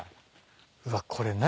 うわこれ何？